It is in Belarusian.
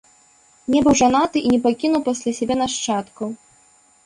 Не быў жанаты і не пакінуў пасля сябе нашчадкаў.